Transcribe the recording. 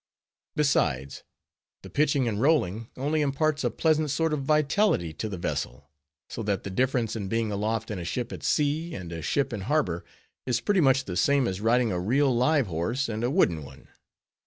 Besides, the pitching and rolling only imparts a pleasant sort of vitality to the vessel; so that the difference in being aloft in a ship at sea, and a ship in harbor, is pretty much the same, as riding a real live horse and a wooden one.